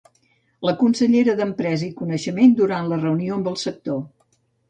La consellera d'Empresa i Coneixement durant la reunió amb el sector.